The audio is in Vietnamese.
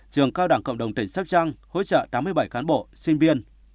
trường cao đẳng cộng đồng tỉnh sopchang hỗ trợ tám mươi bảy cán bộ sinh viên